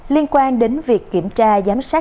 liên quan đến việc kiểm tra giám sát